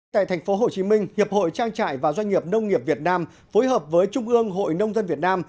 tại tp hcm hiệp hội trang trại và doanh nghiệp nông nghiệp việt nam phối hợp với trung ương hội nông dân việt nam